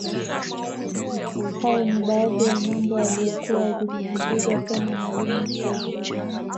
Hayo ni baadhi ya mambo aliyokua akisisitiza sana Mwalimu Nyerere